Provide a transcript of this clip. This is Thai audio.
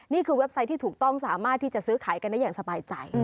เว็บไซต์ที่ถูกต้องสามารถที่จะซื้อขายกันได้อย่างสบายใจ